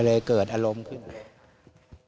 ก็เลยเกิดอารมณ์ขึ้น